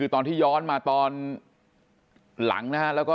ตอนที่ย้อนมาตอนลัง